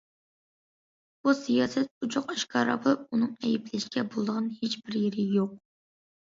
بۇ سىياسەت ئوچۇق- ئاشكارا بولۇپ، ئۇنىڭ ئەيىبلەشكە بولىدىغان ھېچ بىر يېرى يوق.